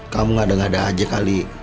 kamu gak denger denger aja kali